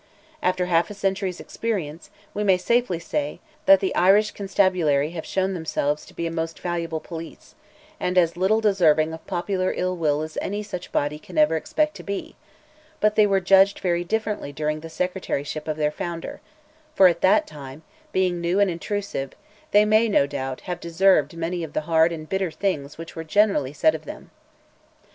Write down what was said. After half a century's experience, we may safely say, that the Irish Constabulary have shown themselves to be a most valuable police, and as little deserving of popular ill will as any such body can ever expect to be, but they were judged very differently during the Secretaryship of their founder; for, at that time, being new and intrusive, they may, no doubt, have deserved many of the hard and bitter things which were generally said of them.